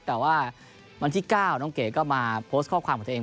แต่ว่าวันที่๙น้องเก๋ก็มาโพสต์ข้อความของตัวเอง